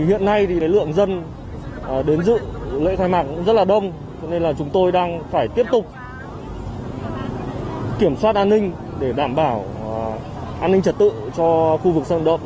hiện nay thì lượng dân đến dự lễ khai mạc rất là đông cho nên là chúng tôi đang phải tiếp tục kiểm soát an ninh để đảm bảo an ninh trật tự cho khu vực sân động